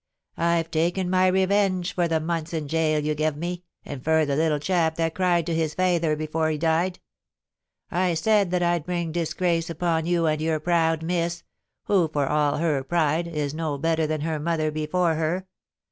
I've taken my revenge for ^ months in gaol you gev me, and fur the little chap that cried to kiss his feyther afore he died. ... I said that Fd bring disgrace upon you and your proud miss, who, for all her pride, is no better than her mother before her.